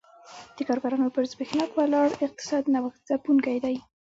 د کارګرانو پر زبېښاک ولاړ اقتصاد نوښت ځپونکی دی